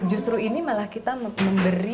justru ini malah kita memberi memberi kesadaran